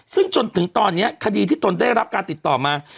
ซึ่งจนถึงตอนนี้คดีที่ตนได้รับการติดต่อมา